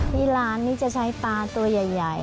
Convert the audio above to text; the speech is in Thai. ที่ร้านนี้จะใช้ปลาตัวใหญ่